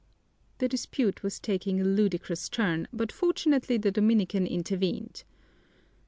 The dispute was taking a ludicrous turn, but fortunately the Dominican intervened.